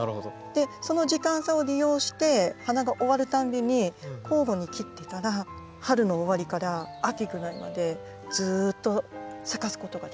でその時間差を利用して花が終わるたんびに交互に切っていたら春の終わりから秋ぐらいまでずっと咲かすことができます。